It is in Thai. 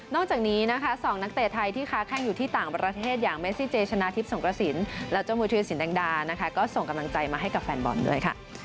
จากนี้นะคะ๒นักเตะไทยที่ค้าแข้งอยู่ที่ต่างประเทศอย่างเมซิเจชนะทิพย์สงกระสินและเจ้ามือธุรสินแดงดานะคะก็ส่งกำลังใจมาให้กับแฟนบอลด้วยค่ะ